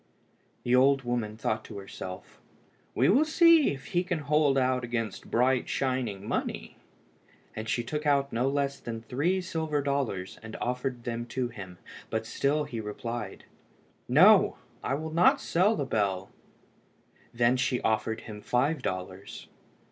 The old woman thought to herself "We will see if he can hold out against bright shining money," and she took out no less than three silver dollars and offered them to him, but he still replied "No, I will not sell the bell." She then offered him five dollars.